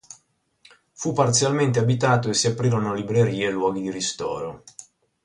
Fu parzialmente abitato e si aprirono librerie e luoghi di ristoro.